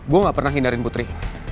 gue gak pernah hindarin putri